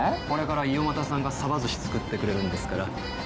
これから伊豫又さんがサバ寿司作ってくれるんですから